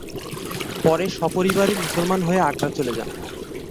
পরে সপরিবারে মুসলমান হয়ে আগ্রা চলে যান।